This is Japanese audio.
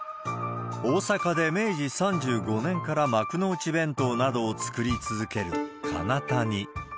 大阪で明治３５年から幕の内弁当などを作り続ける、かなたに。